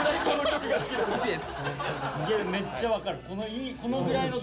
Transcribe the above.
いやめっちゃ分かる。